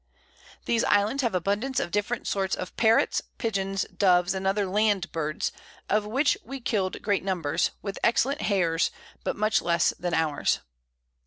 These Islands have abundance of different sorts of Parrots, Pigeons, Doves, and other Land Birds, of which we kill'd great Numbers, with excellent Hares, but much less than ours.